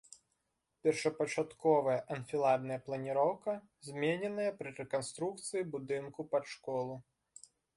Першапачатковая анфіладная планіроўка змененая пры рэканструкцыі будынку пад школу.